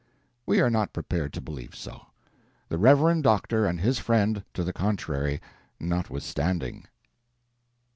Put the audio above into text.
We are not prepared to believe so, the reverend Doctor and his friend to the contrary notwithstanding.